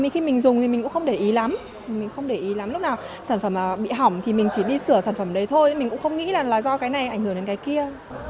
khi mình dùng thì mình cũng không để ý lắm lúc nào sản phẩm bị hỏng thì mình chỉ đi sửa sản phẩm đấy thôi mình cũng không nghĩ là do cái này ảnh hưởng đến cái kia